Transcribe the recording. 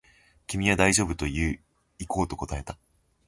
君は大丈夫と言い、行こうと答えた